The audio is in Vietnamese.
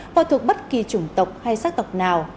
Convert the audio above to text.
và thuộc bất kỳ chủng tộc hay xác tộc nào